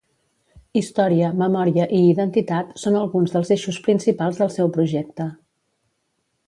Història, memòria i identitat són alguns dels eixos principals del seu projecte.